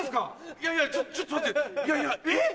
いやいやちょっと待っていやいやえっ？